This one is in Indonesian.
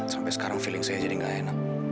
sampai sekarang feeling saya jadi nggak enak